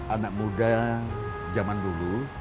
anak muda zaman dulu